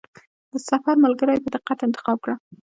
د سفر ملګری په دقت انتخاب کړه.